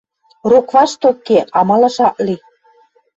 «Рокваштокке, амалаш ак ли», —